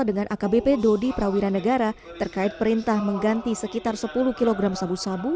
dengan akbp dodi prawira negara terkait perintah mengganti sekitar sepuluh kg sabu sabu